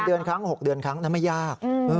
เดือนครั้ง๖เดือนครั้งนั้นไม่ยาก